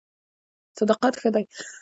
صداقت ښه دی.